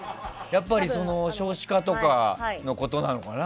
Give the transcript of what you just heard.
やっぱり少子化とかのことなのかな。